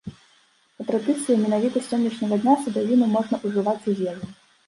Па традыцыі, менавіта з сённяшняга дня садавіну можна ўжываць у ежу.